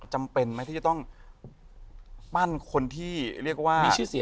จำเป็นไหมที่จะต้องปั้นคนที่เรียกว่า